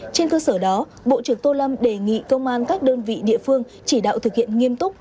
trên cơ sở đó bộ trưởng tô lâm đề nghị công an các đơn vị địa phương chỉ đạo thực hiện nghiêm túc